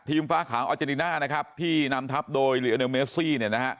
ทีมฟ้าขาวออเจนติน่าที่นำทัพโดยเหลือเมซี่